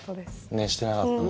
ねっしてなかったね。